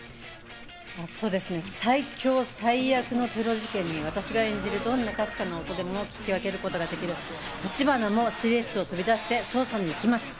最強最悪のテロ事件に私が演じるどんなかすかな音でも聞き分けることができる橘も指令室を飛び出して捜査に行きます。